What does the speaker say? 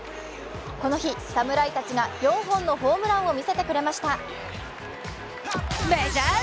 この日、侍たちが４本のホームランを見せてくれました。